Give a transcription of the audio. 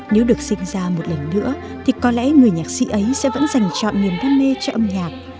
nếu được sinh ra một lần nữa thì có lẽ người nhạc sĩ ấy sẽ vẫn dành trọn niềm đam mê cho âm nhạc